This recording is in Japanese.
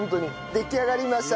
出来上がりました。